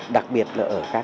đặc biệt là ở khác